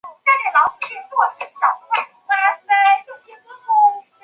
坤下坎上。